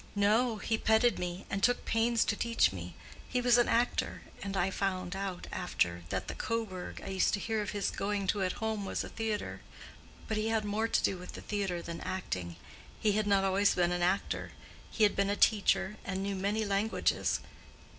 "No; he petted me, and took pains to teach me. He was an actor; and I found out, after, that the 'Coburg' I used to hear of his going to at home was a theatre. But he had more to do with the theatre than acting. He had not always been an actor; he had been a teacher, and knew many languages.